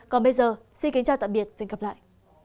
còn bây giờ xin kính chào tạm biệt và hẹn gặp lại